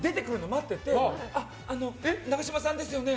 待ってて長嶋さんですよね